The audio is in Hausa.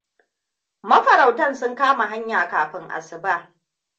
Mafarautan sun kama hanya kafin asuba.